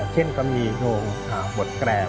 เช่นก็มีโรงขาบทแกรบ